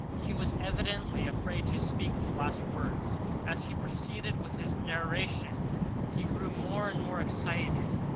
He was evidently afraid to speak the last words. As he proceeded with his narration, he grew more and more excited.